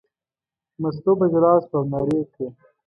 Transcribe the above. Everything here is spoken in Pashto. مستو په ژړا شوه او نارې یې کړې.